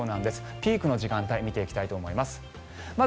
ピークの時間帯を見ていきたいと思います。